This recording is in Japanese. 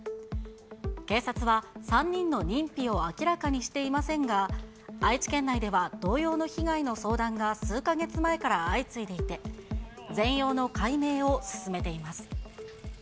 警察は３人の認否を明らかにしていませんが、愛知県内では同様の被害の相談は数か月前から相次いでいて、全容の解明を進めています。